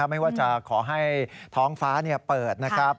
ไม่ว่าจะขอให้ท้องฟ้าเปิดนะครับ